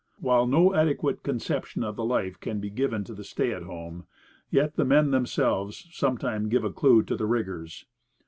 While no adequate conception of the life can be given to the stay at home, yet the men themselves sometimes give a clue to its rigours.